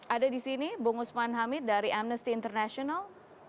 ada di sini bung usman hamid dari amnesty international